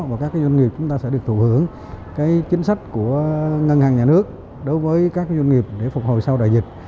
và các doanh nghiệp chúng ta sẽ được thụ hưởng chính sách của ngân hàng nhà nước đối với các doanh nghiệp để phục hồi sau đại dịch